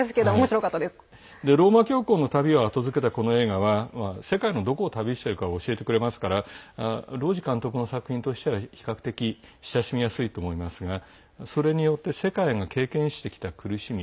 ローマ教皇の旅を描いたこの映画は世界のどこを旅しているかを教えてくれますからロージ監督としては比較的親しみやすいと思いますがそれによって世界が経験してきた苦しみ